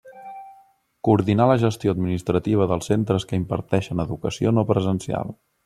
Coordinar la gestió administrativa dels centres que imparteixen educació no presencial.